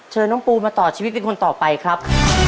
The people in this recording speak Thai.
เชิญน้องปูมาต่อชีวิตเป็นคนต่อไปครับ